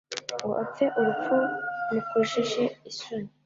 ngo apfe urupfu mkojeje isoni,